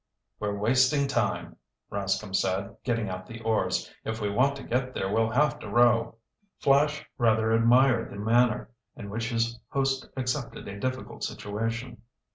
"We're wasting time," Rascomb said, getting out the oars. "If we want to get there we'll have to row." Flash rather admired the manner in which his host accepted a difficult situation.